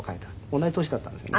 同じ年だったんですけどね。